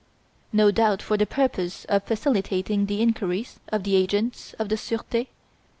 No doubt for the purpose of facilitating the inquiries of the agents of the Surete?